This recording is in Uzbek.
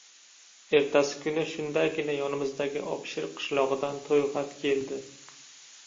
Yertasi kuni shundaygina yonimizdagi Obshir qishlog‘idan to‘yxat keldi.